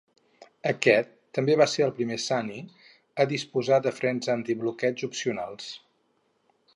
Aquest també va ser el primer Sunny a disposar de frens antibloqueig opcionals.